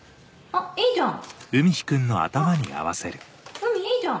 あっ海いいじゃん。